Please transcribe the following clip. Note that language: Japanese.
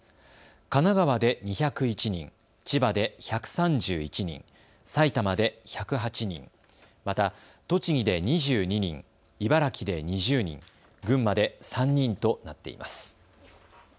神奈川で２０１人、千葉で１３１人、埼玉で１０８人、また、栃木で２２人、茨城で２０人、群馬で３人となっています。